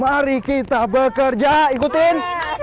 mari kita bekerja ikutin